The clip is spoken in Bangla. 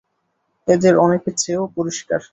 এদের অনেকের চেয়ে ও পরিষ্কার।